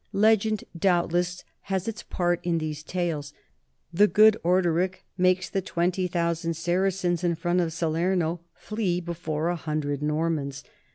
Legend doubtless has its part in these tales, the good Orderic makes the twenty thousand Saracens in front of Salerno flee before a hundred Normans